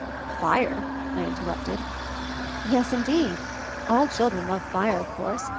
"Fire?" I interrupted. "Yes, indeed. All children love fire, of course.